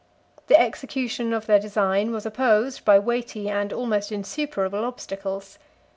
The execution of their design was opposed by weighty and almost insuperable obstacles.